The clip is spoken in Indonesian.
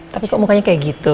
tapi kok mukanya kayak gitu